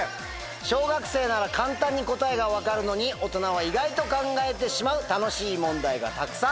小学生なら簡単に答えが分かるのに大人は意外と考えてしまう楽しい問題がたくさん。